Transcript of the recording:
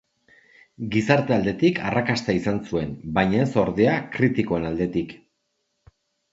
Gizarte aldetik arrakasta izan zuen, baina ez ordea kritikoen aldetik.